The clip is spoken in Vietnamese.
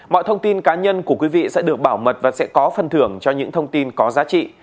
mọi thông tin cá nhân của quý vị sẽ được bảo mật và sẽ có phân thưởng cho những thông tin có giá trị